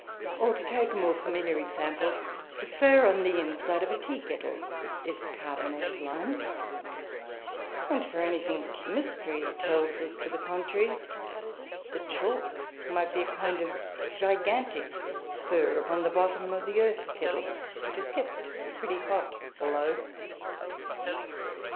Or, to take a more familiar example, the fur on the inside of a tea kettle is carbonate of lime; and, for anything chemistry tells us to the contrary, the chalk might be a kind of gigantic fur upon the bottom of the earth kettle, which is kept pretty hot below.